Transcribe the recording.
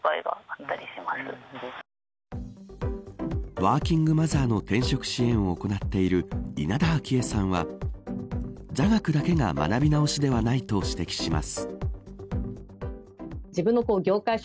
ワーキングマザーの転職支援を行っている稲田明恵さんは座学だけが学び直しではないと指摘します。